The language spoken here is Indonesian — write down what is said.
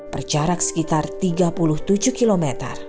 berjarak sekitar tiga puluh tujuh km